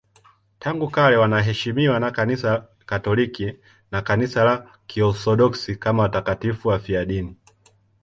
Tangu kale wanaheshimiwa na Kanisa Katoliki na Kanisa la Kiorthodoksi kama watakatifu wafiadini.